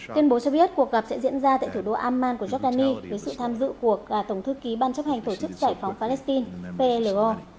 tuyên bố cho biết cuộc gặp sẽ diễn ra tại thủ đô amman của giordani với sự tham dự của tổng thư ký ban chấp hành tổ chức giải phóng palestine plo